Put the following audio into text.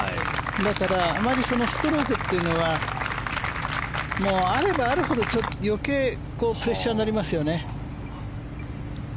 だから、あまりストロークというのはあればあるほど余計にプレッシャーになりますよね。